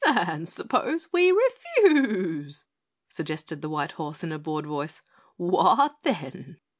"And suppose we refuse!" suggested the white horse in a bored voice. "What then?"